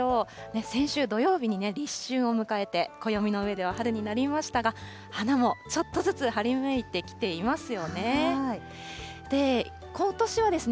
先週土曜日に立春を迎えて、暦の上では春になりましたが、花もちょっとずつ春めいてきていますよね。